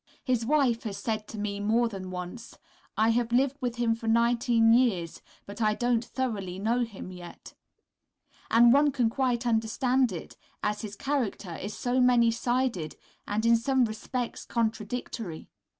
His wife has said to me more than once: "I have lived with him for nineteen years, but I don't thoroughly know him yet," and one can quite understand it, as his character is so many sided and in some respects contradictory.